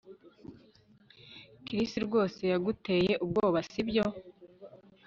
Chris rwose yaguteye ubwoba sibyo